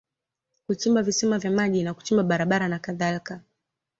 Kuchimba visima vya maji na kuchimba barabara na kadhalika